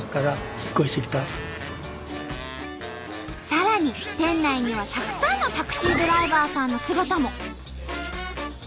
さらに店内にはたくさんのタクシードライバーさんの姿も。